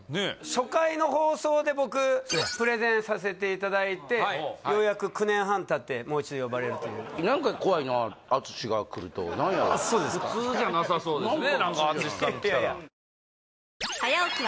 初回の放送で僕プレゼンさせていただいてようやく９年半たってもう一度呼ばれるという淳が来ると何やろう普通じゃなさそうですね